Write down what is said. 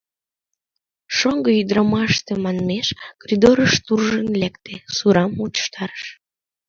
Шоҥго ӱдрамаш тыманмеш коридорыш куржын лекте, сурам мучыштарыш.